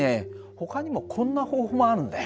ほかにもこんな方法もあるんだよ。